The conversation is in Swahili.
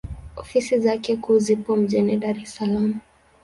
Ofisi zake kuu zipo mjini Dar es Salaam.